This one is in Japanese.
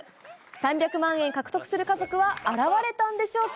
３００万円獲得する家族は現れたんでしょうか。